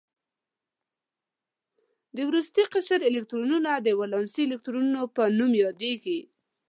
د وروستي قشر الکترونونه د ولانسي الکترونونو په نوم یادوي.